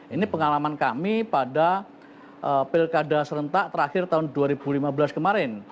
ini pengalaman kami pada pilkada serentak terakhir tahun dua ribu lima belas kemarin